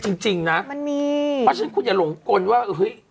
เพราะฉะนั้นคุณอย่าหลงกลว่า